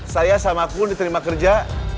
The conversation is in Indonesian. saya sama pun diterima kerja